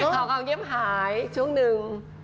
เขากลัวเย็บหายช่วงหนึ่ง